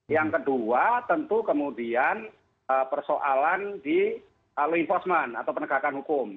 yang kedua tentu kemudian persoalan di law enforcement atau penegakan hukum